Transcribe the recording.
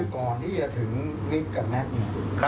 ก่อนที่ยาถึงลิฟก์กับแม็กผง